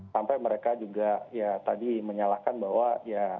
sampai mereka juga ya tadi menyalahkan bahwa ya